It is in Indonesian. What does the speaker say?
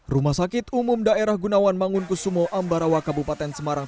rumah sakit umum daerah gunawan mangunkusumo ambarawa kabupaten semarang